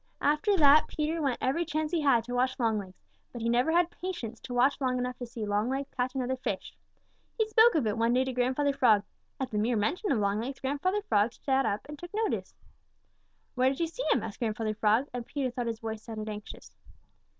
After that Peter went every chance he had to watch Longlegs, but he never had patience to watch long enough to see Longlegs catch another fish. He spoke of it one day to Grandfather Frog. At the mere mention of Longlegs, Grandfather Frog sat up and took notice. "Where did you see him?" asked Grandfather Frog, and Peter thought his voice sounded anxious.